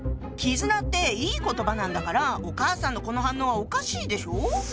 「絆」っていい言葉なんだからお母さんのこの反応はおかしいでしょ？